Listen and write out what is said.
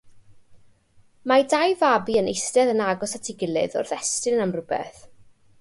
Mae dau fabi yn eistedd yn agos at ei gilydd wrth estyn am rywbeth.